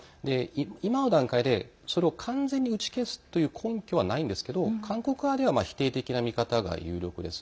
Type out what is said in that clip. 今の段階でそれを完全に打ち消すという根拠はないんですけど韓国側では否定的な見方が有力です。